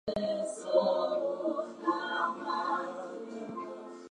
Twin sisters Amrit and Rabindra Kaur Singh are British artists of Sikh heritage.